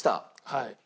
はい。